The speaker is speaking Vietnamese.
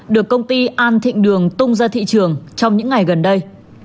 được công ty an thịnh đường tung ra thị trường trong những ngày gần đây